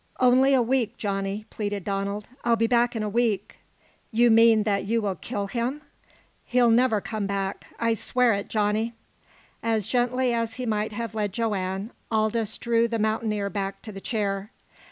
"Only a week, Johnny," pleaded Donald. "I'll be back in a week." "You mean that you will kill him?" "He'll never come back. I swear it, Johnny!" As gently as he might have led Joanne, Aldous drew the mountaineer back to the chair.